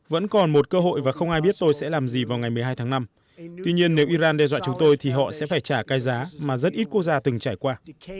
vẫn còn một cơ hội và không ai biết tôi sẽ làm gì vào ngày một mươi hai tháng năm tuy nhiên nếu iran đe dọa chúng tôi thì họ sẽ phải trả cái giá mà rất ít quốc gia từng trải qua